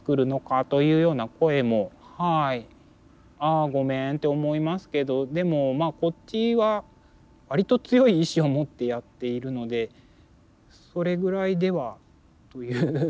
あごめんって思いますけどでもまあこっちは割と強い意志を持ってやっているのでそれぐらいではという。